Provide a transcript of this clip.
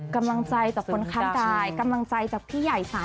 กำลังใจจากคนข้างกายกำลังใจจากพี่ใหญ่สาร